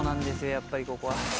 やっぱりここは。